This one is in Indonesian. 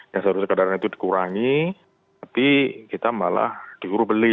yang seharusnya kendaraan itu dikurangi tapi kita malah dikuru beli